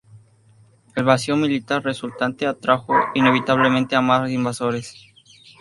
El vacío militar resultante atrajo inevitablemente a más invasores.